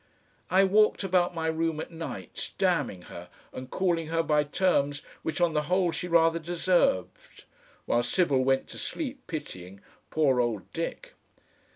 I walked about my room at nights, damning her and calling her by terms which on the whole she rather deserved, while Sybil went to sleep pitying "poor old Dick!"